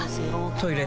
トイレ